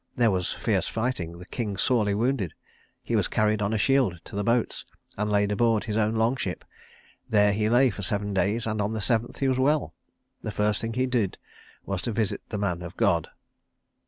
There was fierce fighting, the king sorely wounded. He was carried on a shield to the boats, and laid aboard his own long ship. There he lay for seven days, and on the seventh he was well. The first thing he did was to visit the man of God.